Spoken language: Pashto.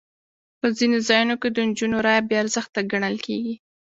په ځینو ځایونو کې د نجونو رایه بې ارزښته ګڼل کېږي.